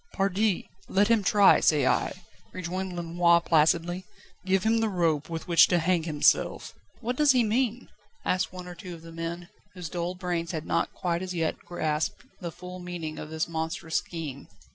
"Pardi! let him try, say I," rejoined Lenoir placidly. "Give him the rope with which to hang himself." "What does he mean?" asked one or two of the men, whose dull brains had not quite as yet grasped the full meaning of this monstrous scheme.